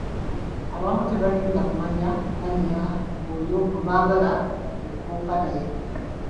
Abamu tebalinda na kumanya mannya g’oyo gwe baagala okubuuka naye.